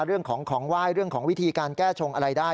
เรื่องของของไหว้เรื่องของวิธีการแก้ชงอะไรได้